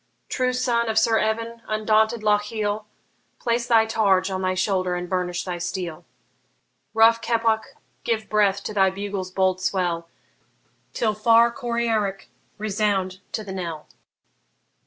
True son of Sir Evan, undaunted Lochiel, Place thy targe on thy shoulder and burnish thy steel! Rough Keppoch, give breath to thy bugle's bold swell, Till far Coryarrick resound to the knell!